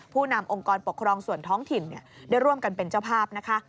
ผู้นำองค์กรปกครองส่วนท้องถิ่นได้ร่วมกันเป็นเจ้าภาพนะคะ